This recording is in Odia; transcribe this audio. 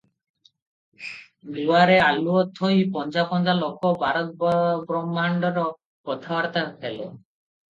ଦୁଆରେ ଆଲୁଅ ଥୋଇ ପଞ୍ଝା ପଞ୍ଝା ଲୋକ ବାର ବ୍ରହ୍ମାଣ୍ଡର କଥାବାର୍ତ୍ତା ହେଲେ ।